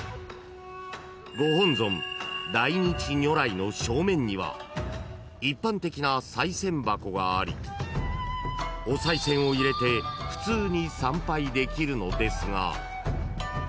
［ご本尊大日如来の正面には一般的なさい銭箱がありおさい銭を入れて普通に参拝できるのですが］